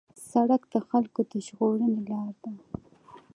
سړک د خلکو د ژغورنې لار ده.